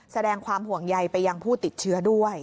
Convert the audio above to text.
แสดงความห่วงใยไปยังผู้ติดเชื้อด้วย